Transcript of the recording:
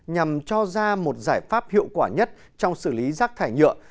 nhằm cho ra một giải pháp hiệu quả nhất trong xử lý rác thải nhựa